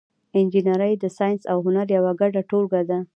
انجنیری د ساینس او هنر یوه ګډه ټولګه ده.